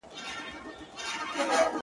داسي ژوند هم راځي تر ټولو عزتمن به يې.